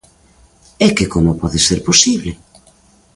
¿É que como pode ser posible?